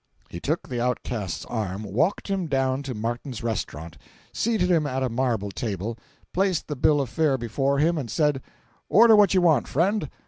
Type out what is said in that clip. He took the outcast's arm, walked him down to Martin's restaurant, seated him at a marble table, placed the bill of fare before him, and said: "Order what you want, friend.